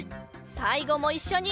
さいごもいっしょに。